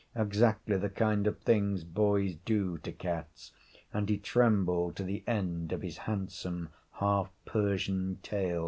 exactly the kind of things boys do to cats, and he trembled to the end of his handsome half Persian tail.